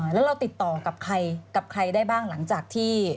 แล้วเราติดต่อกับใครกับใครได้บ้างหลังจากที่